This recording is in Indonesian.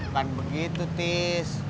kan begitu tis